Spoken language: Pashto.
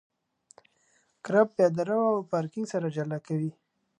کرب پیاده رو او پارکینګ له سرک جلا کوي